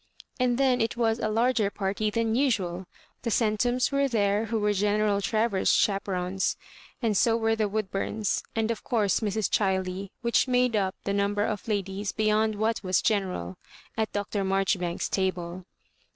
And then it was a larger party than usual. The Centums were there, who were General Travers's chaperons, and so were the Woodbums, and of course Mrs. Chiley, which made up the number of ladies beyond what was general at Dr. Marjoribanks's table.